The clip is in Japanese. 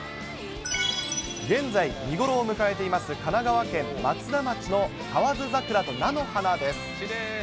現在、見頃を迎えています、神奈川県松田町の河津桜と菜の花です。